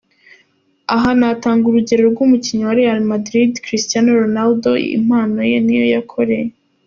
Aha natanga urugero ry’umukinnyi wa Real Madrid, Cristiano Ronaldo impano ye niyo yakoreye.